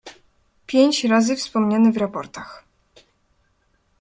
"Pięć razy wspomniany w raportach“."